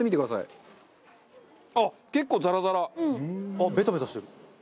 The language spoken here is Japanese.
あっベタベタしてる。